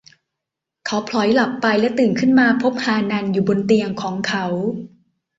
เขาผล็อยหลับไปและตื่นขึ้นมาพบฮานันอยู่บนเตียงของเขา